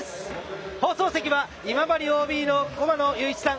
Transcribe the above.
放送席は今治ＯＢの駒野友一さん